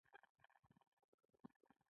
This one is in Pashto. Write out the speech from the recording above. کرنه د خوراکي توکو د کافی تولید لپاره اړینه ده.